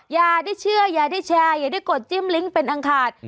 อย่าได้เชื่ออย่าได้แชร์อย่าได้กดจิ้มลิงก์เป็นอังคาร